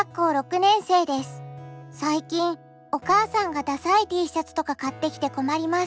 最近お母さんがダサいＴシャツとか買ってきて困ります。